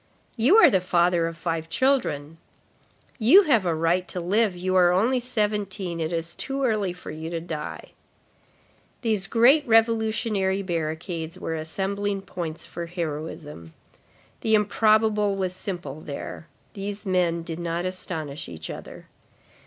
—"You are the father of five children."—"You have a right to live, you are only seventeen, it is too early for you to die." These great revolutionary barricades were assembling points for heroism. The improbable was simple there. These men did not astonish each other.